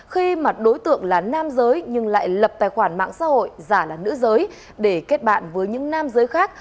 khi mà đối tượng là nam giới nhưng lại lập tài khoản mạng xã hội giả là nữ giới để kết bạn với những nam giới khác